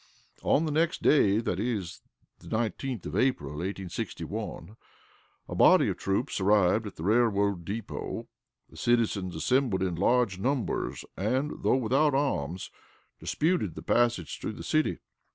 On the next day, viz., the 19th of April, 1861, a body of troops arrived at the railroad depot; the citizens assembled in large numbers, and, though without arms, disputed the passage through the city.